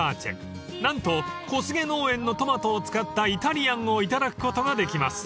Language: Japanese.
ＶＩＶＡＣＥ何と小菅農園のトマトを使ったイタリアンを頂くことができます。